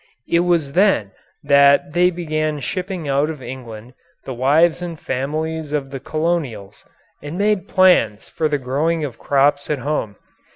It was then that they began shipping out of England the wives and families of the colonials and made plans for the growing of crops at home.